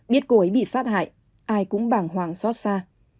biết cô ấy bị sát hại ai cũng bàng hoàng xót xa